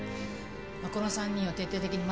まあこの３人を徹底的にマークして。